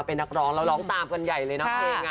เป็นนักร้องเราร้องตามกันใหญ่เลยน้องเอง